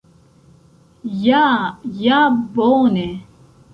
Ja ja bone